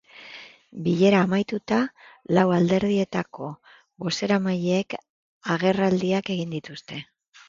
Bilera amaituta, lau alderdietako bozeramaileek agerraldiak egin dituzte.